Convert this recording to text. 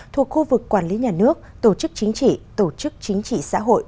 thuộc khu vực quản lý nhà nước tổ chức chính trị tổ chức chính trị xã hội